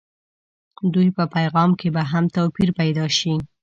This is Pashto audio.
دوی په پیغام کې به هم توپير پيدا شي.